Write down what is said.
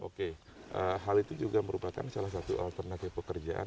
oke hal itu juga merupakan salah satu alternatif pekerjaan